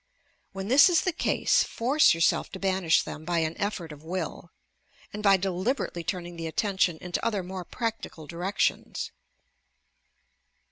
When this is the case, force yourself to banish them by an effort of will, and by deliberately turning the attention into other, more practical, directions.